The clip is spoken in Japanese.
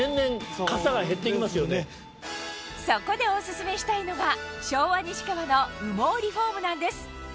そこでオススメしたいのが昭和西川の羽毛リフォームなんです